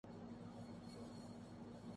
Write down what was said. جی ہاں کیوں نہیں...پوچھیں کیا پوچھنا چاہتے ہیں؟